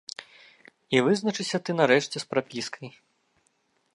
І вызначыся ты нарэшце з прапіскай.